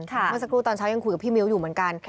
เมื่อสักครู่ตอนเช้ายังคุยกับพี่มิ้วอยู่เหมือนกัน